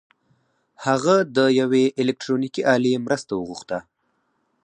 هغه د يوې الکټرونيکي الې مرسته وغوښته.